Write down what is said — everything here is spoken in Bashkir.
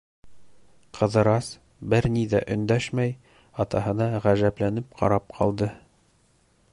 Ҡыҙырас, бер ни ҙә өндәшмәй, атаһына ғәжәпләнеп ҡарап ҡалды.